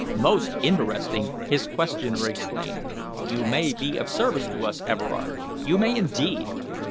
"Most interesting!" his questioner exclaimed. "You may be of service to us, Everard. You may, indeed!